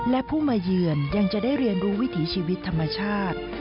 และผู้มาเยือนยังจะได้เรียนรู้วิถีชีวิตธรรมชาติ